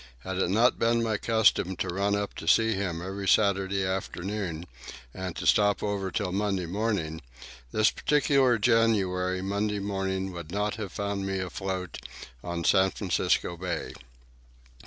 Had it not been my custom to run up to see him every Saturday afternoon and to stop over till Monday morning, this particular January Monday morning would not have found me afloat on San Francisco Bay.